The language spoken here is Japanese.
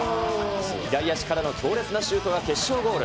左足からの強烈なシュートが決勝ゴール。